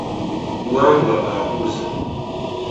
Wambwa abuuza.